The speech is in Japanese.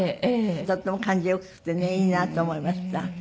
とっても感じ良くってねいいなと思いました。